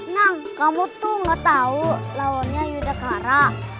nang kamu tuh nggak tahu lawannya yudhacara